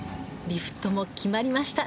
リフトも決まりました。